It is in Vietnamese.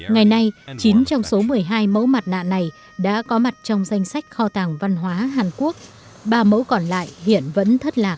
ngày nay chín trong số một mươi hai mẫu mặt nạ này đã có mặt trong danh sách kho tàng văn hóa hàn quốc ba mẫu còn lại hiện vẫn thất lạc